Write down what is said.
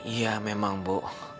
iya memang bu